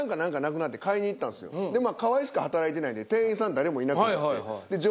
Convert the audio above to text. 河井しか働いてないんで店員さん誰もいなくて。